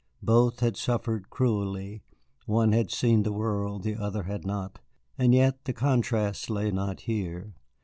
Both had suffered cruelly; one had seen the world, the other had not, and yet the contrast lay not here.